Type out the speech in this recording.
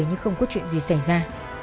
nhưng không có chuyện gì xảy ra